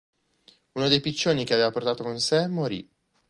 Uno dei piccioni che aveva portato con sé morì.